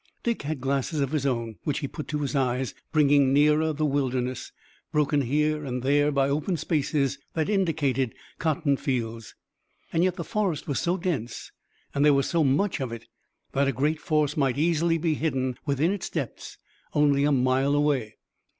Dick had glasses of his own which he put to his eyes, bringing nearer the wilderness, broken here and there by open spaces that indicated cotton fields. Yet the forest was so dense and there was so much of it that a great force might easily be hidden within its depths only a mile away.